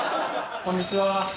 こんにちは。